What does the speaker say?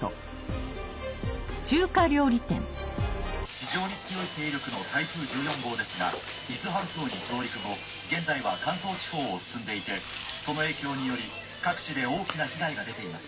非常に強い勢力の台風１４号ですが伊豆半島に上陸後現在は関東地方を進んでいてその影響により各地で大きな被害が出ています。